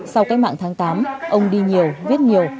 sau cách mạng tháng tám ông đi nhiều viết nhiều